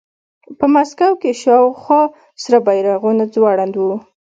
په مسکو کې شاوخوا سره بیرغونه ځوړند وو